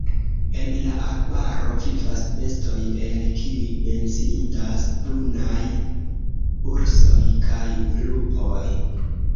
En la arbaro vivas bestoj, el kiuj menciindas brunaj ursoj kaj lupoj.